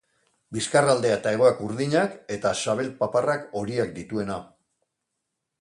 Bizkarraldea eta hegoak urdinak, eta sabel-paparrak horiak dituena.